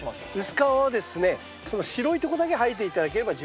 薄皮はですねその白いとこだけ剥いで頂ければ十分です。